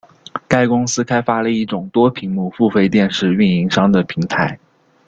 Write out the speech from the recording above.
该公司开发了一种多屏幕付费电视运营商的平台。